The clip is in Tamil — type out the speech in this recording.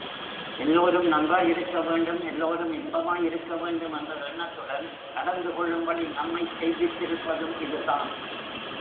எல்லோரும் நன்றாயிருக்க வேண்டும், எல்லோரும் இன்பமாயிருக்க வேண்டும் என்ற எண்ணத்துடன் நடந்து கொள்ளும்படி நம்மைச் செய்வித்திருப்பதும் இதுதான்.